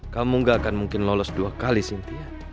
kamu gak akan mungkin lolos dua kali sintia